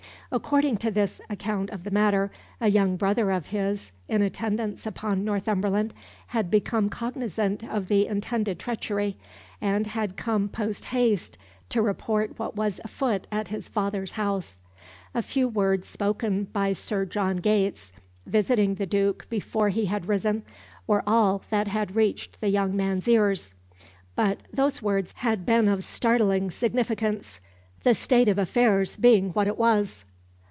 According to this account of the matter, a young brother of his, in attendance upon Northumberland, had become cognisant of the intended treachery, and had come post haste to report what was a foot at his father's house. A few words spoken by Sir John Gates, visiting the Duke before he had risen, were all that had reached the young man's ears, but those words had been of startling significance, the state of affairs being what it was.